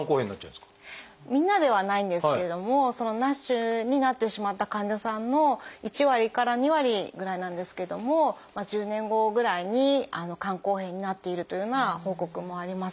みんなではないんですけれどもＮＡＳＨになってしまった患者さんの１割から２割ぐらいなんですけども１０年後ぐらいに肝硬変になっているというような報告もあります。